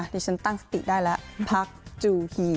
ดิฉันตั้งสติได้แล้วพักจูฮี